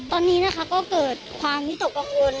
ตอนนี้นะคะก็เกิดความวิตกกังวล